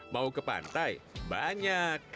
mau ke pantai banyak